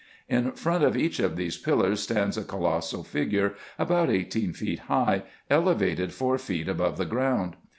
In front of each of these pillars stands a colossal figure, about eighteen feet high, elevated four feet above the ground.